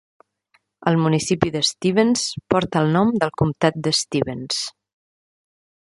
El municipi de Stevens porta el nom del comtat de Stevens.